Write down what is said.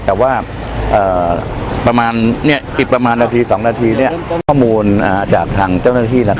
แต่ว่าประมาณนาที๒นาทีข้อมูลจากทางเจ้าหน้าที่